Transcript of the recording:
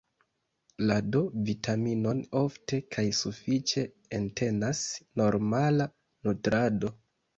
La D-vitaminon ofte kaj sufiĉe entenas normala nutrado.